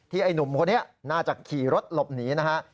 ไอ้หนุ่มคนนี้น่าจะขี่รถหลบหนีนะฮะ